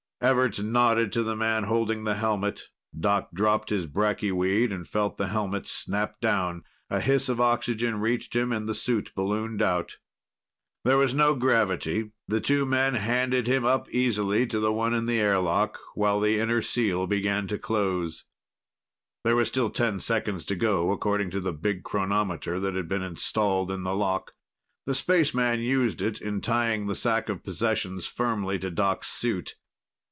Everts nodded to the man holding the helmet. Doc dropped his bracky weed and felt the helmet snap down. A hiss of oxygen reached him and the suit ballooned out. There was no gravity; the two men handed him up easily to the one in the airlock while the inner seal began to close. There was still ten seconds to go, according to the big chronometer that had been installed in the lock. The spaceman used it in tying the sack of possessions firmly to Doc's suit.